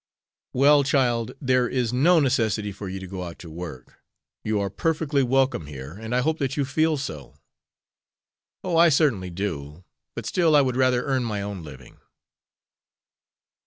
"Well, child, there is no necessity for you to go out to work. You are perfectly welcome here, and I hope that you feel so." "Oh, I certainly do. But still I would rather earn my own living."